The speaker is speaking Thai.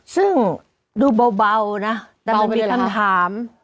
ซึ่งดูเบานะแต่มันมีคำถาม